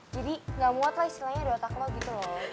jadi gak muat lah istilahnya ada otak lo gitu loh